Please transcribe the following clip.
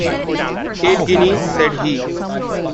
“Eight guineas!” said he.